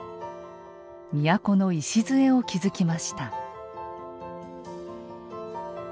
都の礎を築きました。